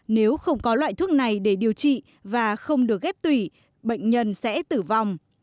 nếu không có loại thuốc này để điều trị và không được ghép tùy bệnh nhân sẽ tử vong